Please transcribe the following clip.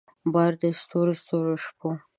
بار د ستورو ستورو شپو